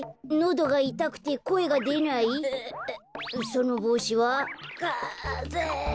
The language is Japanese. そのぼうしは？かぜ。